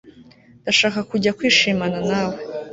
ndashaka kujya kwishimana nawe